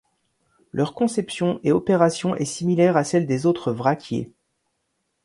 Leur conception et opération est similaire à celle des autres vraquiers.